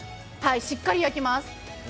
しっかり焼きます。